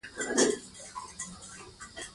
مازغه ئې اعصابو ته وړي